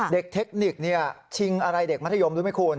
เด็กเทคนิคชิงอะไรเด็กมัธยมรู้ไม่ควร